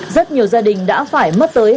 rất nhiều gia đình đã phải mất tới hạng